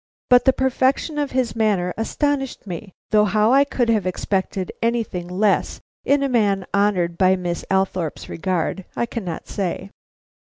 But the perfection of his manner astonished me, though how I could have expected anything less in a man honored by Miss Althorpe's regard, I cannot say.